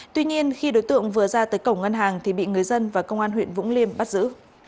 tuy nhiên khi đối tượng vừa ra tới cổng ngân hàng thì bị người dân và công an huyện vũng liêm bắt giữ